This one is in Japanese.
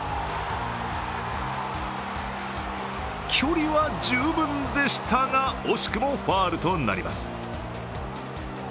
距離は十分でしたが惜しくもファウルとなります。